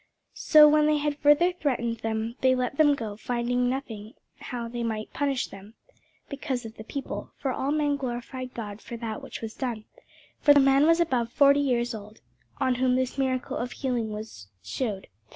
So when they had further threatened them, they let them go, finding nothing how they might punish them, because of the people: for all men glorified God for that which was done. For the man was above forty years old, on whom this miracle of healing was shewed.